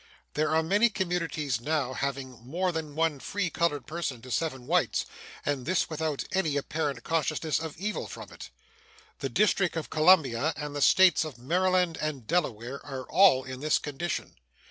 There are many communities now having more than one free colored person to seven whites and this without any apparent consciousness of evil from it. The District of Columbia and the States of Maryland and Delaware are all in this condition.